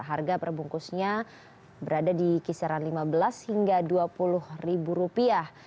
harga perbungkusnya berada di kisaran lima belas hingga dua puluh ribu rupiah